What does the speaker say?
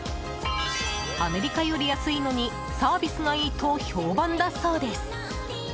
アメリカより安いのにサービスがいいと評判だそうです。